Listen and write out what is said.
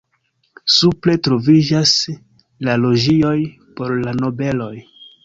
Supre troviĝas la loĝioj por la nobeloj.